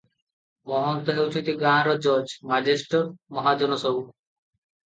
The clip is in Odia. ମହନ୍ତ ହେଉଛନ୍ତି ଗାଁର ଜଜ୍, ମେଜେଷ୍ଟର, ମହାଜନ ସବୁ ।